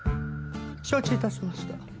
承知致しました。